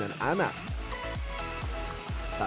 dan juga permukaan permainan anak